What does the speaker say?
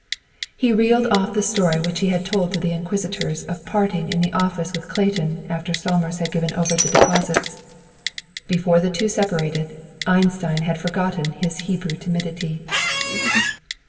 He reeled off the story which he had told to the inquisitors of parting in the office with Clayton after Somers had given over the deposits. Before the two separated, Einstein had forgotten his Hebrew timidity.